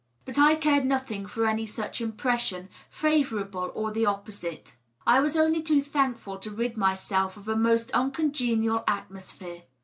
But I cared nothing for any such impression, favorable or the opposite. I was only too thankful to rid myself of a most uncongenial atmosphere.